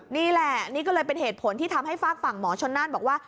นี่แหละนี่ก็เลยเป็นเหตุผลที่ทำให้ฝากฝั่งหมอชนน่านบอกว่า